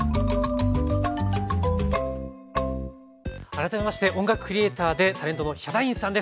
改めまして音楽クリエーターでタレントのヒャダインさんです。